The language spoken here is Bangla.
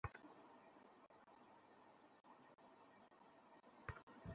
সকাল নয়টার দিকে ঘটনাস্থল পরিদর্শনে আসেন কক্সবাজারের পুলিশ সুপার শ্যামল কুমার নাথ।